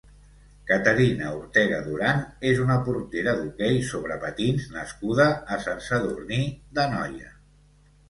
Caterina Ortega Duran és una portera d'hoquei sobre patins nascuda a Sant Sadurní d'Anoia.